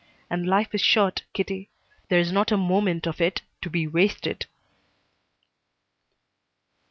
And life is short, Kitty. There's not a moment of it to be wasted."